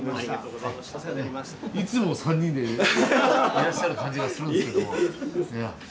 いつも３人でいらっしゃる感じがするんですけども。